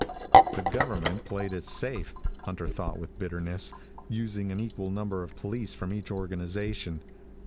The government played it safe, Hunter thought with bitterness, using an equal number of police from each organization.